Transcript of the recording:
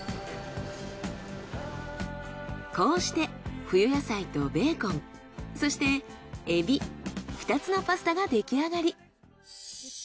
こうして冬野菜とベーコンそしてエビ２つのパスタが出来上がり。